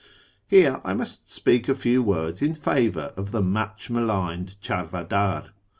Here I must speak a few w^ords in favour of the much maligned charvaddr.